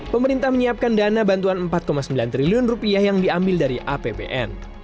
pemerintah menyiapkan dana bantuan rp empat sembilan triliun yang diambil dari apbn